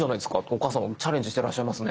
お母さんチャレンジしてらっしゃいますね。